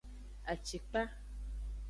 Acikpa.